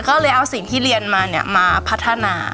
ก็เลยเอาสิ่งที่เรียนมามาพัฒนา